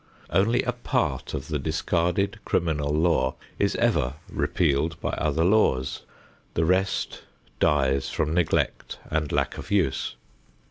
Only a part of the discarded criminal law is ever repealed by other laws. The rest dies from neglect and lack of use.